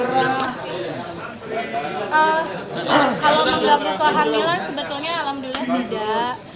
kalau mengganggu kehamilan sebetulnya alhamdulillah tidak